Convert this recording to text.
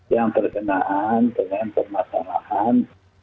yang terkenaan dengan permasalahan